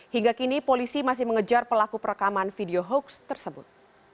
hingga kini polisi masih mengejar pelaku perekaman video hoax tersebut